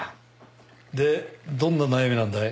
でどんな悩みなんだい？